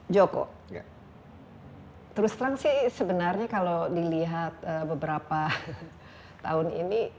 joko terus terang sih sebenarnya kalau dilihat beberapa tahun ini